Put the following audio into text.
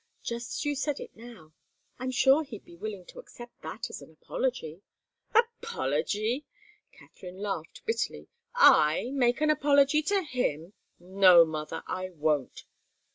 Just as you said it now. I'm sure he'd be willing to accept that as an apology." "Apology?" Katharine laughed bitterly. "I make an apology to him? No, mother I won't."